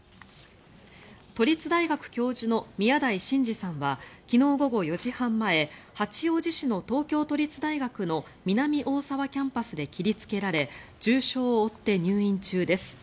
都立大学教授の宮台真司さんは昨日午後４時半前八王子市の東京都立大学の南大沢キャンパスで切りつけられ重傷を負って入院中です。